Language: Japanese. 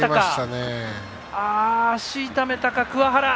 足を痛めましたか、桑原。